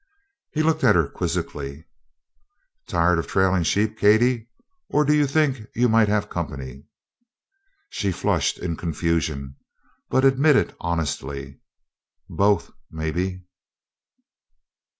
He looked at her quizzically. "Tired of trailing sheep, Katie, or do you think you might have company?" She flushed in confusion, but admitted honestly: "Both, maybe."